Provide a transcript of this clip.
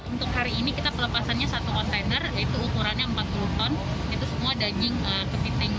untuk hari ini kita pelepasannya satu kontainer yaitu ukurannya empat puluh ton itu semua daging kepiting